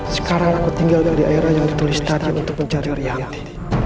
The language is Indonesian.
sekarang aku tinggal di daerah yang ditulis tadi untuk mencari yang di